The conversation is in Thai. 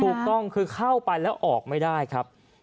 ถูกต้องคือเข้าไปแล้วออกไม่ได้ครับ